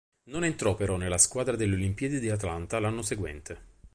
Non entrò però nella squadra delle Olimpiadi di Atlanta l'anno seguente.